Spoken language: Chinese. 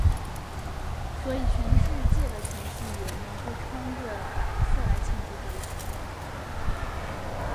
所以全世界的程序员们会穿着白色来庆祝这一天。